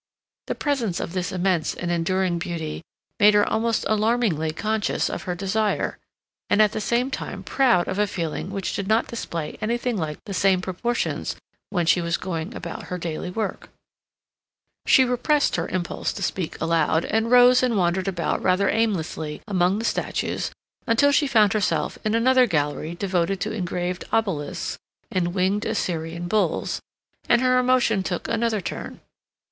The presence of this immense and enduring beauty made her almost alarmingly conscious of her desire, and at the same time proud of a feeling which did not display anything like the same proportions when she was going about her daily work. She repressed her impulse to speak aloud, and rose and wandered about rather aimlessly among the statues until she found herself in another gallery devoted to engraved obelisks and winged Assyrian bulls, and her emotion took another turn.